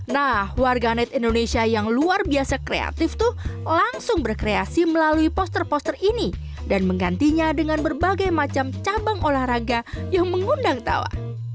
nah warga net indonesia yang luar biasa kreatif tuh langsung berkreasi melalui poster poster ini dan menggantinya dengan berbagai macam cabang olahraga yang mengundang tawa